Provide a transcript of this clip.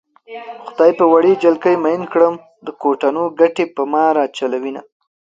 خدای په وړې جلکۍ مئين کړم د کوټنو ګټې په ما راچلوينه